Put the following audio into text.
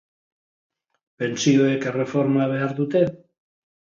Pentsioek erreforma behar dute?